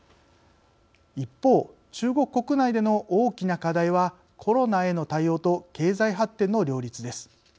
一方、中国国内での大きな課題はコロナへの対応と経済発展の両立です。